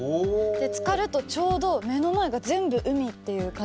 つかるとちょうど目の前が全部海っていう感じになって。